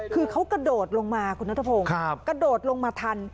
คือเขากระโดดลงมาคุณนัทพงศ์กระโดดลงมาทัน